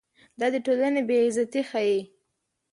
دا د ټولنې بې عزتي ښيي.